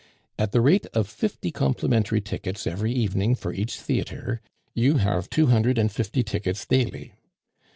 At the rate of fifty complimentary tickets every evening for each theatre, you have two hundred and fifty tickets daily.